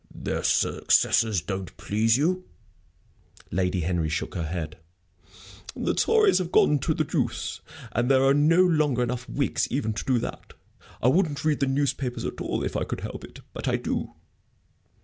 "Their successors don't please you?" Lady Henry shook her head. "The Tories have gone to the deuce, and there are no longer enough Whigs even to do that. I wouldn't read the newspapers at all if I could help it. But I do."